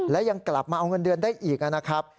และยังกลับมาเอาเงินเดือนได้อีกนะครับ